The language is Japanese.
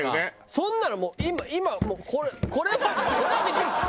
そんなのもう今もうこれこれはできるか。